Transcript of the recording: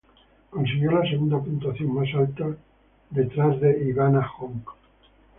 Consiguió la segunda puntuación más alta por detrás de Ivana Hong.